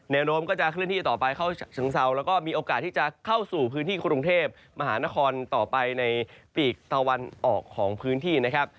โน้มก็จะเคลื่อนที่ต่อไปเข้าเชิงเซาแล้วก็มีโอกาสที่จะเข้าสู่พื้นที่กรุงเทพมหานครต่อไปในปีกตะวันออกของพื้นที่นะครับ